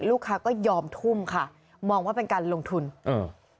ลูกค้าก็ยอมทุ่มค่ะมองว่าเป็นการลงทุนอืม